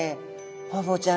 ホウボウちゃん